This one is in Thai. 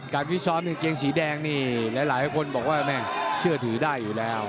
พิซ้อมกางเกงสีแดงนี่หลายคนบอกว่าแม่เชื่อถือได้อยู่แล้ว